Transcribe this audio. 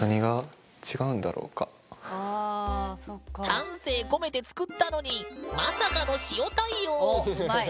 丹精込めて作ったのにまさかの「塩」対応おっうまい！